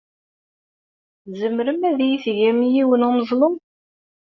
Tzemrem ad iyi-tgem yiwen n umeẓlu?